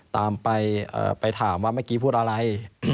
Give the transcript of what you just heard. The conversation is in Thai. ตามไปถามว่าเมื่อกี้พูดอะไร